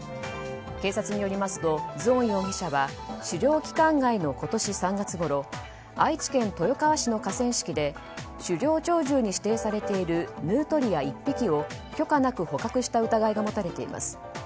警察によりますとズオン容疑者は狩猟期間外の今年３月ごろ愛知県豊川市の河川敷で狩猟鳥獣に指定されているヌートリア１匹を許可なく捕獲した疑いが持たれています。